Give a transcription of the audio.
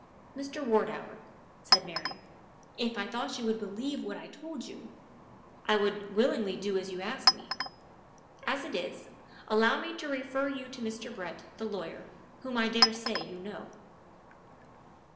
"Mr. Wardour," said Mary, "if I thought you would believe what I told yon, I would willingly do as you ask me. As it is, allow me to refer you to Mr. Brett, the lawyer, whom I dare say you know."